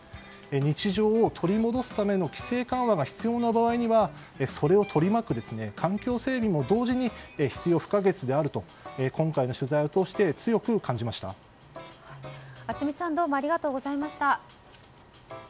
日常を取り戻すための規制緩和が必要な場合にはそれを取り巻く環境整備も同時に必要不可欠であると今回の取材を通して熱海さんどうもありがとうございました。